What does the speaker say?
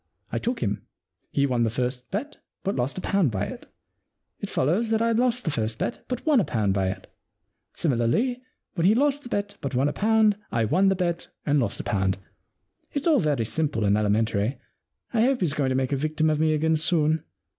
I took him. He won the first bet but lost a pound by it. It follows that I lost the first bet but won a pound by it. Similarly, when he lost the bet but won a pound I won the bet and lost a pound. It's all very simple and elementary. I hope he's going to make a victim of me again soon.